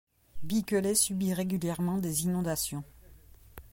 Bicqueley subit régulièrement des inondations.